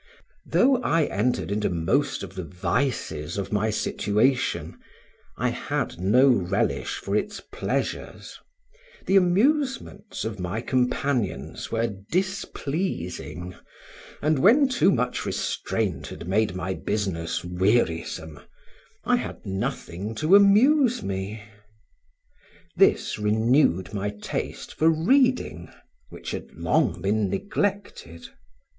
Though I entered into most of the vices of my situation, I had no relish for its pleasures; the amusements of my companions were displeasing, and when too much restraint had made my business wearisome, I had nothing to amuse me. This renewed my taste for reading which had long been neglected.